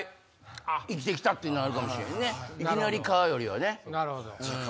いきなり蚊よりはね。